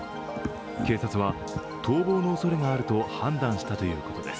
警察は逃亡のおそれがあると判断したということです。